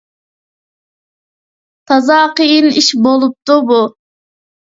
تازا قىيىن ئىش بولۇپتۇ بۇ!